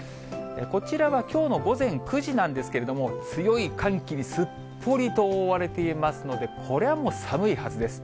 こちらはきょうの午前９時なんですけれども、強い寒気にすっぽりと覆われていますので、これはもう寒いはずです。